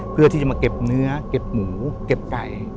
เพื่อที่จะมาเก็บเนื้อเก็บหมูเก็บไก่